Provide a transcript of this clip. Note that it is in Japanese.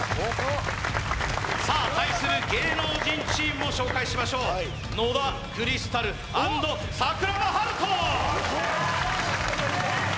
さあ対する芸能人チームを紹介しましょう野田クリスタル＆桜庭大翔！